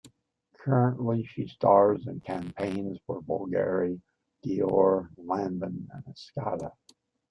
Currently, she stars in campaigns for Bulgari, Dior, Lanvin and Escada.